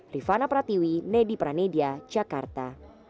rifana pratiwi nedi pranedia jakarta